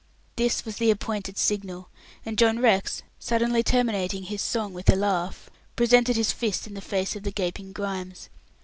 This was the appointed signal, and John Rex, suddenly terminating his song with a laugh, presented his fist in the face of the gaping Grimes.